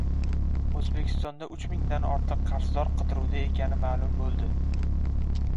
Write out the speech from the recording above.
O‘zbekistonda uch mingdan ortiq qarzdor qidiruvda ekani ma'lum bo‘ldi